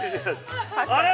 ◆あれ？